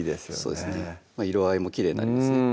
そうですね色合いもきれいになりますね